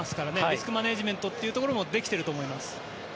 リスクマネジメントというところもできていると思います。